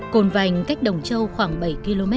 cồn vành cách đồng châu khoảng bảy km